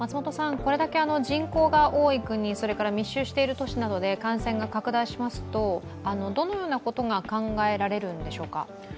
これだけ人口が多い国、それから密集している都市などで感染が拡大しますとどのようなことが考えられるんでしょうか。